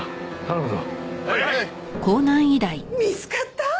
見つかった！？